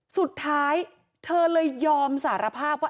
สุดท้ายเธอเลยยอมสารภาพว่า